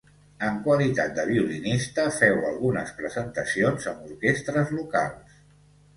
En qualitat de violinista féu algunes presentacions amb orquestres locals.